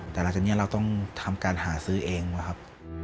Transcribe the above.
แต่หลังจากนี้เราต้องทำการหาซื้อเองว่ะครับ